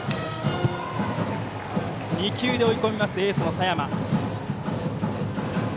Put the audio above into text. ２球で追い込みましたエースの佐山。